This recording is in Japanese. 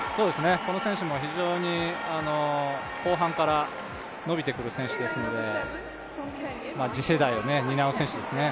この選手も後半から伸びてくる選手ですので次世代を担う選手ですね。